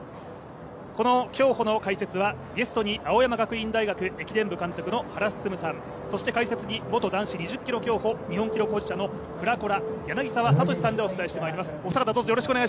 この競歩の解説はゲストに、青山学院大学駅伝部監督の原晋さんそして解説に元男子２０ｋｍ競歩日本記録保持者の柳澤哲さんでお伝えしてまいります。